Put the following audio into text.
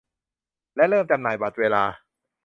และเริ่มจำหน่ายบัตรเวลา